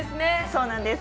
そうなんです。